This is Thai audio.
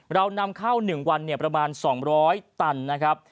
เรานำเข้า๑วันประมาณ๒๐๐ตันนะครับ